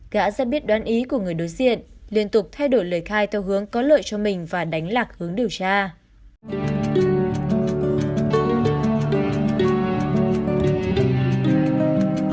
đã ra biết đoan ý của người đối diện liên tục thay đổi lời khai theo hướng có lợi cho mình và đánh lạc hướng điều tra